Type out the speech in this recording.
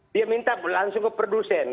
dia minta langsung ke produsen